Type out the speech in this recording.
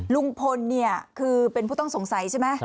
ลุงพลเนี่ยคือเป็นผู้ต้องสงสัยใช่ไหม